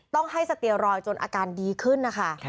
ต้องให้สเตียรอยจนอาการดีขึ้นนะคะ